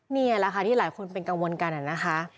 นี่แหละค่ะที่หลายคนเป็นกังวลกันนะคะ